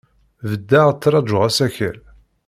Beddeɣ, ttṛajuɣ asakal.